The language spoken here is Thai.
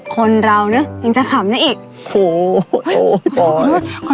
คนเราน่ะยังจะขำนั่งอีกโอโหโอ้ยโอ้โอโหย